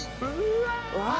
うわ！